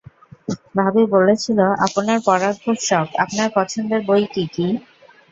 ভাবি বলেছিল, আপনার পড়ার খুব শখ, আপনার পছন্দের বই কী কী?